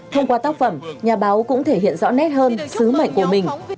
thông qua tác phẩm nhà báo cũng thể hiện rõ nét hơn sứ mệnh của mình